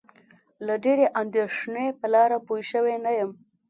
له ډېرې اندېښنې په لاره پوی شوی نه یم.